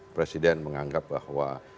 presiden menganggap bahwa